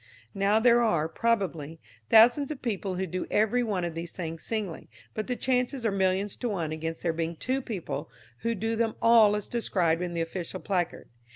Now there are, probably, thousands of people who do every one of these things singly, but the chances are millions to one against there being two people who do them all as described in the official placard.